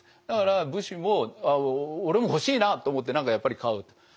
だから武士も俺も欲しいなって思って何かやっぱり買うと。